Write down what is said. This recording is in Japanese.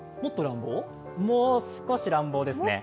もう少し乱暴ですね。